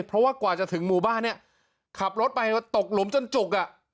เพราะว่ากว่าจะถึงหมู่บ้านเนี่ยขับรถไปตกหลุมจนจุกอ่ะ